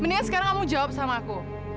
mendingan sekarang kamu jawab sama aku